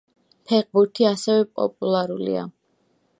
ფეხბურთი ასევე პოპულარულია.